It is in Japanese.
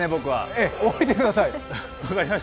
ええ、降りてください。